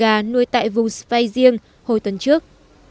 các con gà nuôi tại vùng spain riêng hồi tuần trước